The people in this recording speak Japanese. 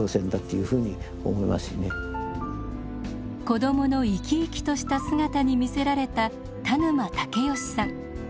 子どもの生き生きとした姿に魅せられた田沼武能さん。